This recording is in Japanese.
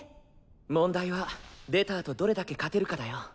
問題は出たあとどれだけ勝てるかだよ。